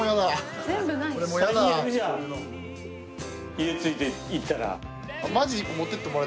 家ついていったら。